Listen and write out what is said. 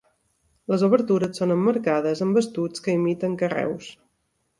Les obertures són emmarcades amb estucs que imiten carreus.